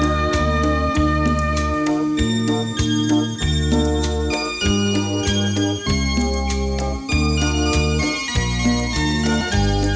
แบ่นแบ่นแบ่นแบ่นแบ่น